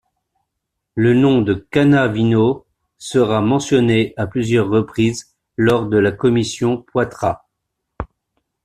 Le nom de Cannavino sera mentionné à plusieurs reprises lors de la Commission Poitras.